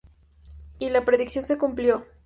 Y la predicción se cumplió.